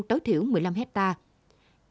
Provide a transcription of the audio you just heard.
tối thiểu một mươi năm hectare